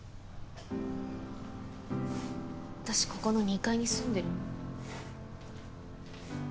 私ここの２階に住んでるの。